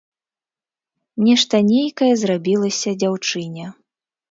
Нешта нейкае зрабілася дзяўчыне.